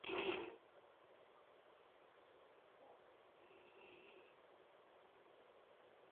د ځنګلي حیواناتو ساتنه د طبیعت ساتنې برخه ده.